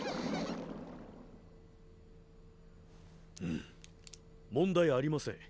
うん問題ありません。